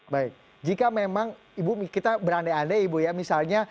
baik jika memang ibu kita berandai andai ibu ya misalnya